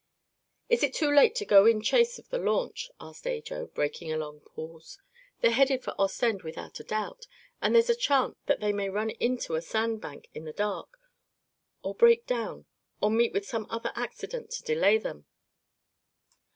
"Is it too late to go in chase of the launch?" asked Ajo, breaking a long pause. "They're headed for Ostend, without a doubt, and there's a chance that they may run into a sand bank in the dark, or break down, or meet with some other accident to delay them."